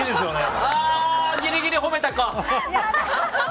ギリギリ褒めたか。